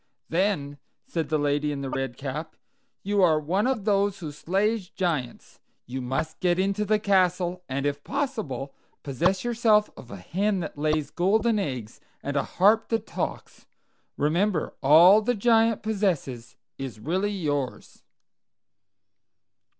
"Then," said the lady in the red cap, "you are one of those who slay giants. You must get into the castle, and if possible possess yourself of a hen that lays golden eggs, and a harp that talks. Remember, all the Giant possesses is really yours."